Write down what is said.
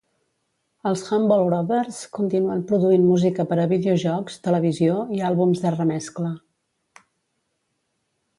Els Humble Brothers continuen produint música per a videojocs, televisió i àlbums de remescla.